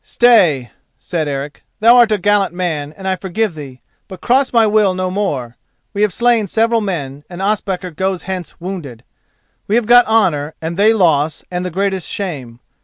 "Stay," said Eric; "thou art a gallant man and I forgive thee: but cross my will no more. We have slain several men and Ospakar goes hence wounded. We have got honour, and they loss and the greatest shame.